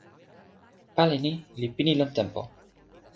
pali ni li pini lon tenpo.